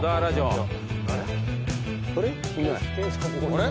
あれ？